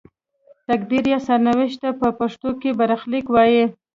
تقدیر یا سرنوشت ته په پښتو کې برخلیک وايي.